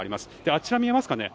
あちら見えますかね。